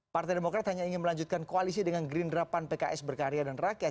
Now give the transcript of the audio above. partai demokrat hanya ingin melanjutkan koalisi dengan gerindra pan pks berkarya dan rakyat